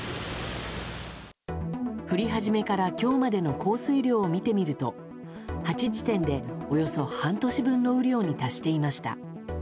降り始めから今日までの降水量を見てみると８地点でおよそ半年分の雨量に達していました。